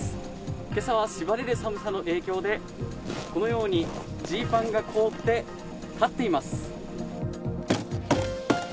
けさはしばれる寒さの影響で、このようにジーパンが凍って立っています。